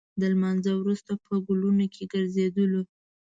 د لمانځه وروسته په ګلونو کې ګرځېدلو.